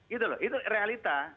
itu loh itu realita